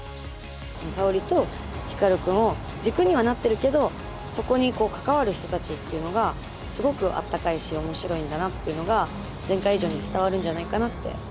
沙織と光くんを軸にはなってるけどそこに関わる人たちっていうのがすごくあったかいし面白いんだなっていうのが前回以上に伝わるんじゃないかなって思います。